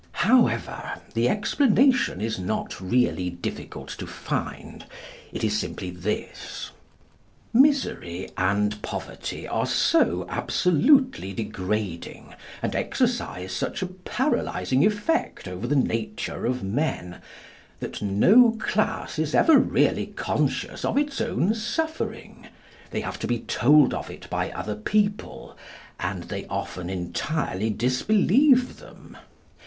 However, the explanation is not really difficult to find. It is simply this. Misery and poverty are so absolutely degrading, and exercise such a paralysing effect over the nature of men, that no class is ever really conscious of its own suffering. They have to be told of it by other people, and they often entirely disbelieve them.